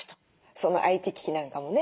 そのＩＴ機器なんかもね